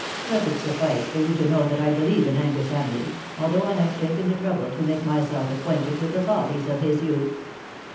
Let it suffice for you to know that I believe in Angus Hamleigh, although I have taken the trouble to make myself acquainted with the follies of his youth.''